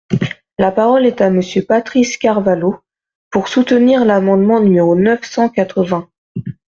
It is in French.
La parole est à Monsieur Patrice Carvalho, pour soutenir l’amendement numéro neuf cent quatre-vingts.